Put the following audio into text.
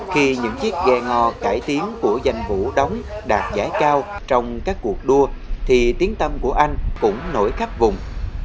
khi những chiếc ghe ngò cải tiến của danh vũ đóng đạt giải cao trong các cuộc đua thì tiến tâm của anh cũng nổi khắp vùng